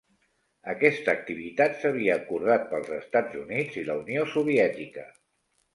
Aquesta activitat s'havia acordat pels Estats Units i la Unió Soviètica.